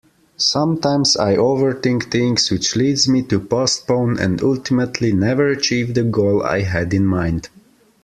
Sometimes I overthink things which leads me to postpone and ultimately never achieve the goal I had in mind.